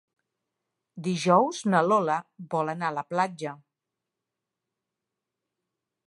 Dijous na Lola vol anar a la platja.